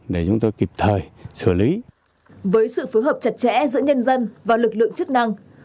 với sự phối hợp chặt chẽ giữa nhân dân và lực lượng chức năng